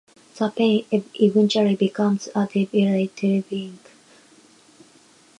The pain eventually becomes debilitating, with fractures becoming more common as the bone weakens.